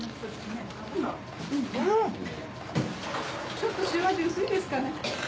ちょっと塩味薄いですかね？